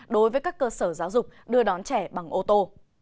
đối với các cơ sở giáo dục đưa đón trẻ bằng ô tô